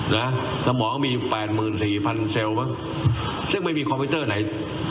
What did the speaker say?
นะสมองมีแปดหมื่นสี่พันเซลลมั้งซึ่งไม่มีคอมพิวเตอร์ไหน